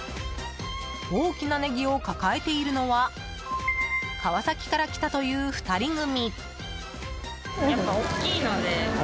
大きなネギを抱えているのは川崎から来たという２人組。